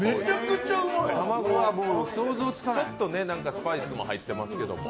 ちょっとスパイスも入ってますけども。